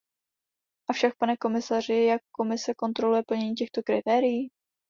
Avšak, pane komisaři, jak Komise kontroluje plnění těchto kritérií?